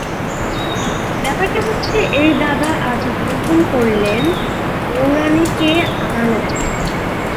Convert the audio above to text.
ব্যাপারটা হচ্ছে এই–দাদা আজ হুকুম করলেন বউরানীকে আনানো চাই।